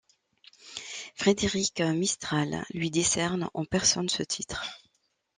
Frédéric Mistral lui décerne en personne ce titre.